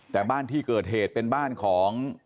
แต่บ้านที่เกิดเหตุเป็นบ้านของ